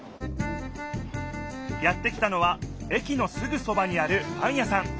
やって来たのは駅のすぐそばにあるパン屋さん